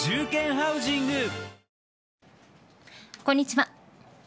こんにちは。